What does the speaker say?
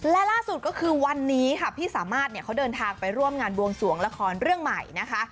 และล่าสุดก็คือวันนี้ค่ะพี่สามารถเนี่ยเขาเดินทางไปร่วมงานบวงสวงละครเรื่องใหม่นะคะ